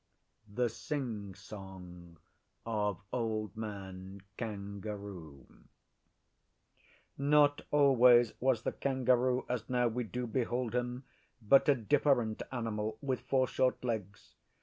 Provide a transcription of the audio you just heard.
THE SING SONG OF OLD MAN KANGAROO NOT always was the Kangaroo as now we do behold him, but a Different Animal with four short legs.